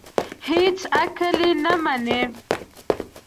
هېڅ عقل یې نه مني.